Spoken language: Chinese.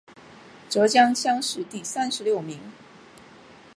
浙江乡试第三十六名。